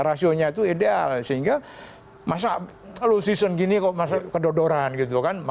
rasio nya itu ideal sehingga masa low season gini kok masa kedodoran gitu kan